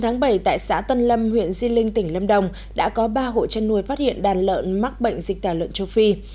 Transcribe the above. ngày bảy tại xã tân lâm huyện di linh tỉnh lâm đồng đã có ba hộ chăn nuôi phát hiện đàn lợn mắc bệnh dịch tả lợn châu phi